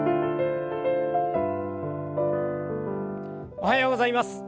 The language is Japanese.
おはようございます。